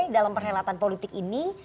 dalam perhelatan politik ini